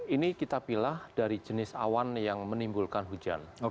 ini kita pilih dari jenis awan yang menimbulkan hujan